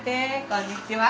こんにちは。